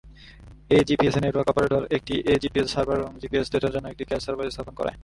এ-জিপিএসে network operator একটি A GPS server এবং GPS ডেটার জন্য একটি ক্যাশ সার্ভার স্থাপন করে।